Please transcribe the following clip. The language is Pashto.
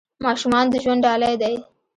ماشومان د ژوند ډالۍ دي .